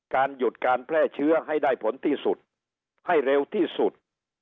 หยุดการแพร่เชื้อให้ได้ผลที่สุดให้เร็วที่สุด